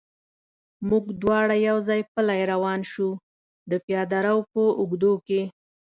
موږ دواړه یو ځای پلی روان شو، د پیاده رو په اوږدو کې.